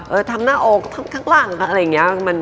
ทำหน้าอกทำข้างหลังอะไรอย่างนี้